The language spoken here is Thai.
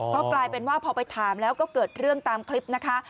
ก็กลายเป็นว่าพอไปถามแล้วก็เกิดเรื่องตามคลิปนะคะ